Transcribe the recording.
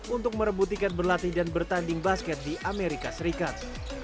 untuk merebut tiket berlatih dan bertanding basket di amerika serikat